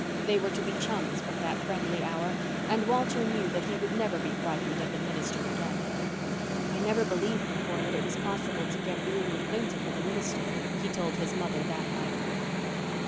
They were to be chums from that friendly hour and Walter knew that he would never be frightened of the minister again. "I never believed before that it was possible to get really acquainted with a minister," he told his mother that night.